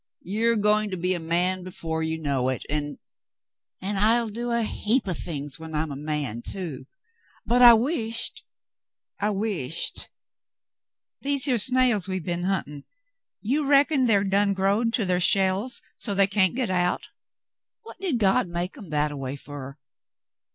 You are going to be a man before you know it, and —" "And I'll do a heap o' things when I'm a man, too — but I wisht — I wisht — These here snails we b'en hunt'n', you reckon they're done growed to ther shells so they can't get out ? What did God make 'em that a way fer?"